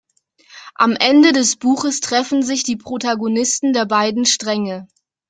Am Ende des Buches treffen sich die Protagonisten der beiden Stränge.